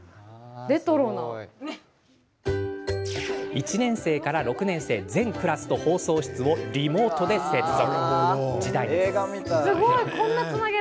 １年生から６年生、全クラスと放送室をリモートで接続。